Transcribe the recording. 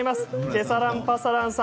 ケサランパサランさん。